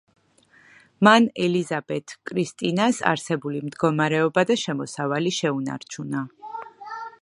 მან ელიზაბეთ კრისტინას არსებული მდგომარეობა და შემოსავალი შეუნარჩუნა.